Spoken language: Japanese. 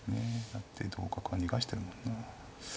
成って同角は逃がしてるもんな。